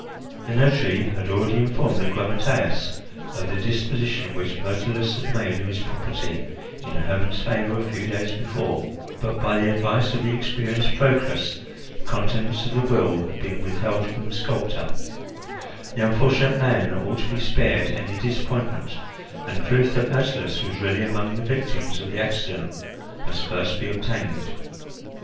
The notary had already informed the grammateus of the disposition which Myrtilus had made of his property in Hermon's favour a few days before, but, by the advice of the experienced Proclus, the contents of the will had been withheld from the sculptor; the unfortunate man ought to be spared any disappointment, and proof that Myrtilus was really among the victims of the accident must first be obtained.